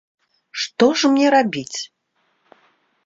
Што ж мне рабіць?